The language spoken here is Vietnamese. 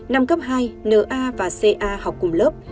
năm cấp hai nna và ca học cùng lớp